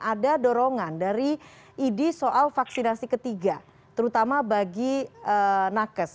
ada dorongan dari idi soal vaksinasi ketiga terutama bagi nakes